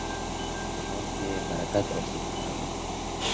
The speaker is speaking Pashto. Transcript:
ایمان زموږ په ژوند کي برکت او سکون راولي.